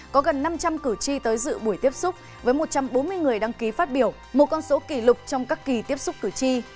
có gần năm trăm linh cử tri tới dự buổi tiếp xúc với một trăm bốn mươi người đăng ký phát biểu một con số kỷ lục trong các kỳ tiếp xúc cử tri